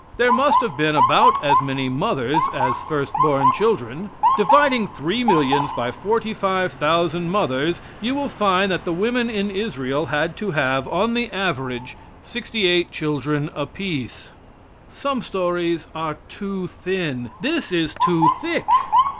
There must have been about as many mothers as first born children. Dividing three millions by forty five thousand mothers, and you will find that the women in Israel had to have on the average sixty eight children apiece. Some stories are too thin. This is too thick.